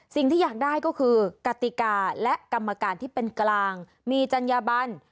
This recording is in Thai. สิ่งที่อยากได้ก็คือกติกาและกรรมการที่เป็นกลางมีจัญญบัน